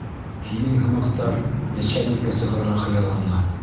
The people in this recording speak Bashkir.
Һинең һымаҡтар нәчәлниккә сығырға хыяллана.